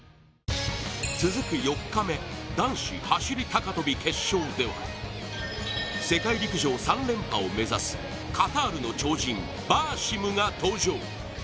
続く４日目男子走高跳決勝では世界陸上３連覇を目指すカタールの超人バーシムが登場。